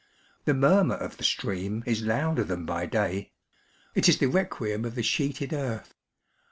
The murmur of the stream is louder than by day ; it is the requiem of the sheeted earth.